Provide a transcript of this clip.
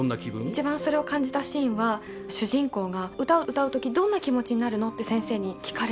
一番それを感じたシーンは主人公が「歌を歌う時どんな気持ちになるの？」って先生に聞かれて。